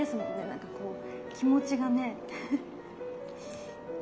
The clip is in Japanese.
何かこう気持ちがね。